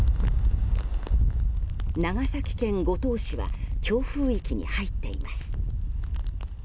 長崎県五島市は強風域に入っています。